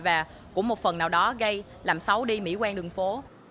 và cũng một phần nào đó gây làm xấu đi mỹ quen đường phố